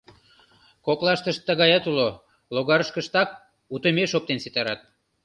Коклаштышт тыгаят уло: логарышкыштак утымеш оптен ситарат.